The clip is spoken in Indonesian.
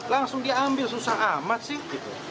langsung diambil susah amat sih gitu